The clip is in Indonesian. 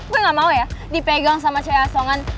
gue gak mau ya dipegang sama c asongan